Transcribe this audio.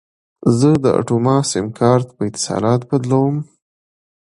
زه د اټوما سیم کارت په اتصالات بدلوم.